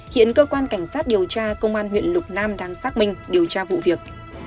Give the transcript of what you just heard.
hiện cơ quan cảnh sát điều tra công an huyện lục nam đang xác minh điều tra vụ việc